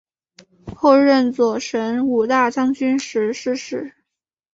后任左神武大将军时逝世。